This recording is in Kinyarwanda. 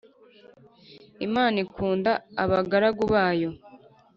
Imana iknda abagaragu bayo